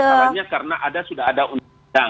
ke masalahnya karena ada sudah ada undang undang